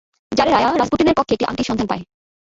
জারের আয়া রাসপুটিনের কক্ষে একটা আংটির সন্ধান পায়।